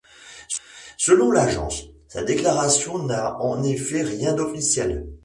Selon l’agence, sa déclaration n’a en effet rien d’officiel.